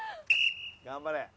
頑張れ。